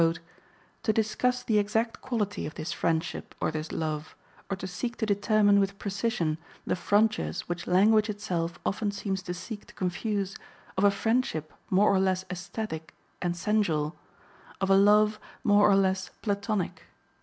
v), "to discuss the exact quality of this friendship or this love, or to seek to determine with precision the frontiers, which language itself often seems to seek to confuse, of a friendship more or less esthetic and sensual, of a love more or less Platonic."